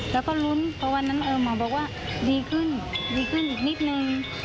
แล้วก็ลุ้นเพราะวันนั้นหมอบอกว่าดีขึ้นดีขึ้นอีกนิดนึง